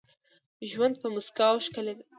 ژوند په مسکاوو ښکلی دي.